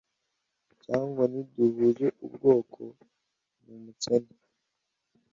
cyangwa ngo ntiduhuje ubwoko, ni umukene